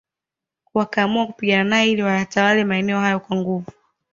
Wakaamua kupigana nae ili wayatawale maeneo hayo kwa nguvu